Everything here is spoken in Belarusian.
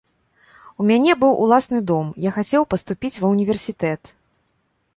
У мяне быў уласны дом, я хацеў паступіць ва ўніверсітэт.